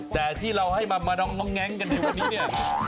แต่ที่เราให้มาน้องแง้งกันในวันนี้เนี่ย